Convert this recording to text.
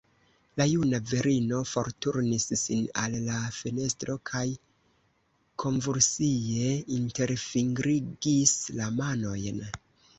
La juna virino forturnis sin al la fenestro kaj konvulsie interfingrigis la manojn.